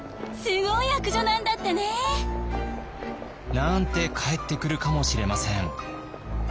なんて返ってくるかもしれません。